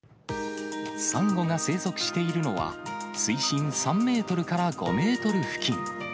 サンゴが生息しているのは、水深３メートルから５メートル付近。